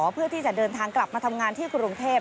เพื่อที่จะเดินทางกลับมาทำงานที่กรุงเทพ